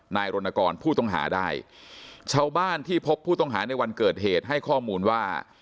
รณกรผู้ต้องหาได้ชาวบ้านที่พบผู้ต้องหาในวันเกิดเหตุให้ข้อมูลว่า